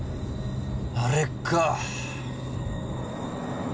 あれか。